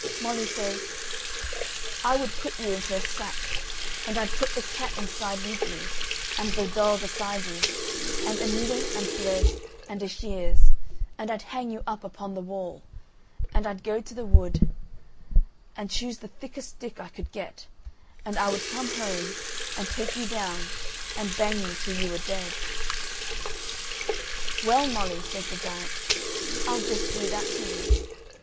Molly says: "I would put you into a sack, and I'd put the cat inside with you, and the dog aside you, and a needle and thread and a shears, and I'd hang you up upon the wall, and I'd go to the wood, and choose the thickest stick I could get, and I would come home, and take you down, and bang you till you were dead." "Well, Molly," says the giant, "I'll just do that to you."